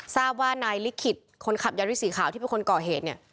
ทราบว่านายลิขิตคนขับยาริสสีขาวที่เป็นคนก่อเหตุเนี่ย